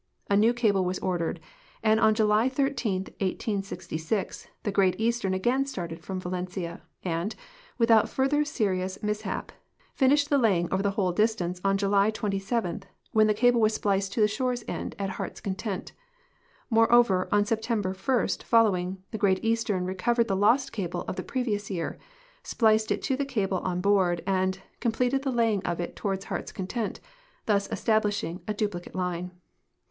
A new cable was ordered, and on July 13, 1866, the Great Eastern again started from Valentia and, without further serious mis hap, finished the ia^ung over the whole distance on July 27, when the cable was spliced to the shore end at Heart's Content. IMoreover, on September 1 following, the Great Eastern recovered the lost cable of the previous year, spliced it to the cable on board, and completed the laying of it toward Heart's Content, thus establishing a duplicate line.